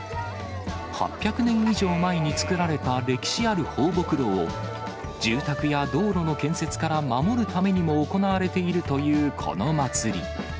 ８００年以上前に作られた歴史ある放牧路を、住宅や道路の建設から守るためにも行われているというこの祭り。